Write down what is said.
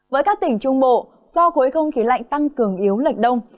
với các tỉnh trung bộ do khối không khí lạnh tăng cường yếu lệch đông